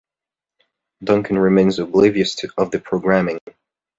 Duncan remains oblivious of the programming.